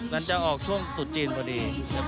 มันจะออกช่วงตุดจีนพอดี